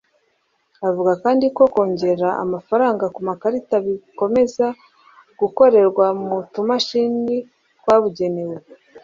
Avuga kandi ko kongera amafaranga ku makarita bikomeza gukorerwa ku tumashini twabugenewe